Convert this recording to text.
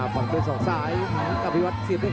อภิวัตก็ยังจะใช้เหลี่ยม